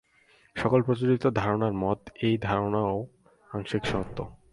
সকল প্রচলিত ধারণার মত এই ধারণাও আংশিক সত্য।